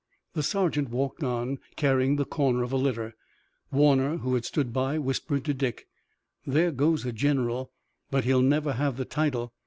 The sergeant walked on, carrying the corner of a litter. Warner, who had stood by, whispered to Dick: "There goes a general, but he'll never have the title.